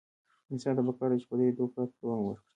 انسان ته پکار ده چې په درېدو پرته دوام ورکړي.